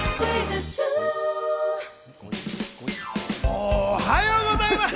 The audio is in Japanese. おはようございます。